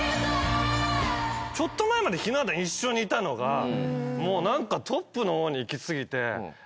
ちょっと前までひな壇一緒にいたのが何かトップの方に行き過ぎて。